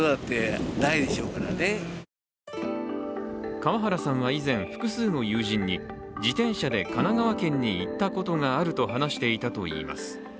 川原さんは以前、複数の友人に自転車で神奈川県に行ったことがあると話していたといいます。